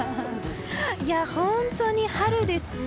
本当に春ですね。